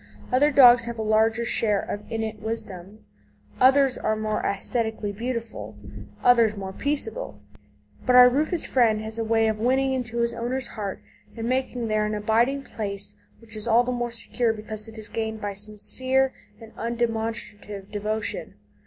Other dogs have a larger share of innate wisdom, others are most aesthetically beautiful, others more peaceable; but our rufous friend has a way of winning into his owner's heart and making there an abiding place which is all the more secure because it is gained by sincere and undemonstrative devotion.